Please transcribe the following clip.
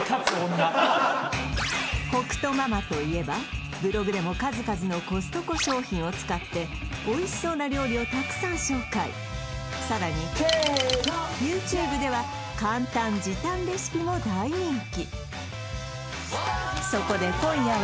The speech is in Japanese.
北斗ママといえばブログでも数々のコストコ商品を使っておいしそうな料理をたくさん紹介さらにＹｏｕＴｕｂｅでは簡単時短レシピも大人気！